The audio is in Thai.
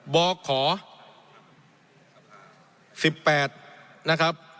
บข๑๘นะครับ